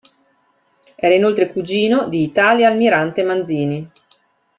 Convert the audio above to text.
Era inoltre cugino di Italia Almirante Manzini.